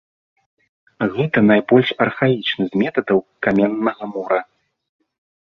Гэта найбольш архаічны з метадаў каменнага мура.